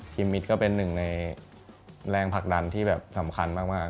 มิตรก็เป็นหนึ่งในแรงผลักดันที่แบบสำคัญมาก